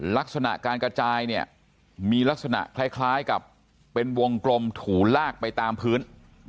ลักษณะการกระจายเนี่ยมีลักษณะคล้ายกับเป็นวงกลมถูลากไปตามพื้น